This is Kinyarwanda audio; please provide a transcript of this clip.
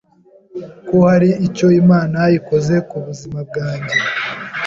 ko hari icyo Imana ikoze ku buziama bwanjye,